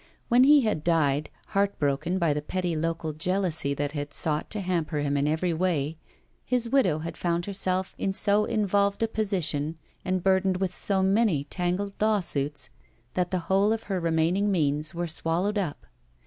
When he had died, heart broken by the petty local jealousy that had sought to hamper him in every way, his widow had found herself in so involved a position, and burdened with so many tangled law suits, that the whole of her remaining means were swallowed up.